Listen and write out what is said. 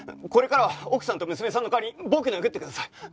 これからは奥さんと娘さんの代わりに僕殴ってください。